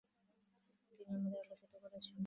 তিনি আমাদের আলোকিত করেছেন।